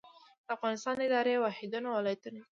د افغانستان اداري واحدونه ولایتونه دي